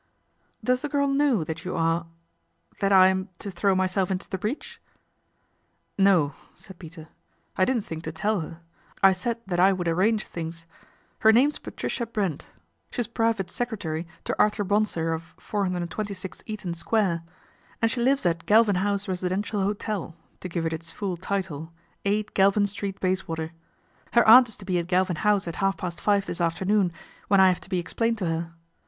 v Does the girl know that you are that I am to throw myself into the breach ?" "No," said Peter, "I didn't think to tell her. I said that I would arrange things. Her name's Patricia Brent. She's private secretary to Arthur Bonsor of 426 Eaton Square, and she lives at n6 PATRICIA BRENT, SPINSTER Galvin House Residential Hotel, to give it its full title, 8 Galvin Street, Bayswater. Her aunt is to be at Galvin House at half past five this afternoon, when I have to be explained to her.